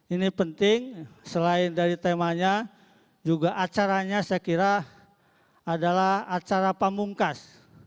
ini penting selain dari temanya juga acaranya saya kira adalah acara pamungkas